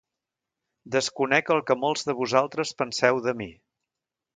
Desconec el que molts de vosaltres penseu de mi.